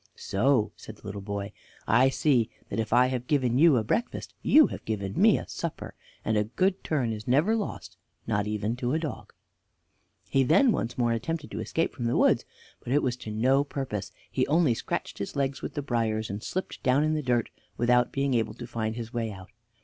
"So," said the little boy, "I see that if I have given you a breakfast you have given me a supper, and a good turn is never lost, not even to a dog." He then once more attempted to escape from the woods, but it was to no purpose; he only scratched his legs with the briars, and slipped down in the dirt, without being able to find his way out.